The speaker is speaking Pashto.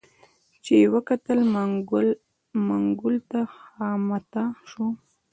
چي یې وکتل منګول ته خامتما سو